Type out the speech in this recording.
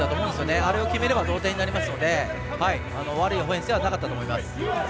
あれを決めれば同点になったので悪いオフェンスではなかったと思います。